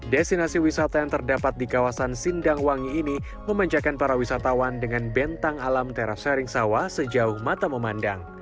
destinasi wisata yang terdapat di kawasan sindangwangi ini memanjakan para wisatawan dengan bentang alam teras sharing sawah sejauh mata memandang